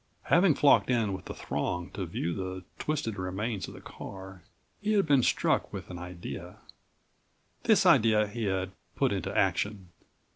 Having flocked in with the throng to view the twisted remains of the car, he had been struck with an idea. This idea he had put into action.